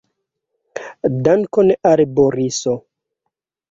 Dankon al Boriso!